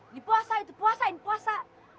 di puasa itu puasa ini puasa